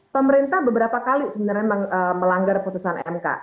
pemerintah beberapa kali sebenarnya melanggar putusan